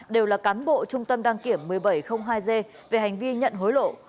đều là cán bộ trung tâm đăng kiểm một nghìn bảy trăm linh hai g về hành vi nhận hối lộ